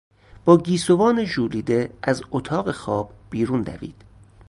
با گیسوان ژولیده از اتاق خواب بیرون دوید.